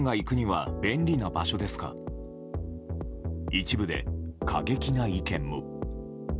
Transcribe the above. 一部で過激な意見も。